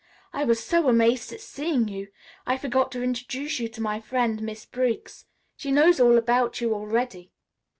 I was so amazed at seeing you, I forgot to introduce you to my friend Miss Briggs. She knows all about you, already."